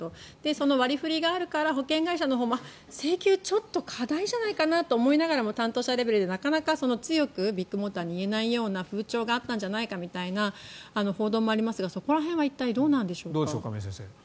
その割り振りがあるから保険会社のほうも請求ちょっと過大じゃないかなと思いながらも担当者レベルでなかなか強くビッグモーターに言えないような風潮があったんじゃないかみたいな報道もありますがそこら辺はどうなんでしょうか。